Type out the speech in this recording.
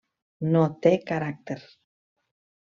No té caràcter.